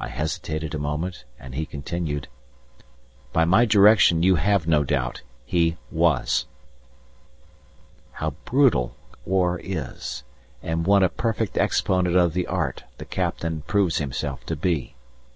I hesitated a moment, and he continued: "By my direction you have no doubt. He was!" How brutal war is, and what a perfect exponent of the art the Captain proves himself to be!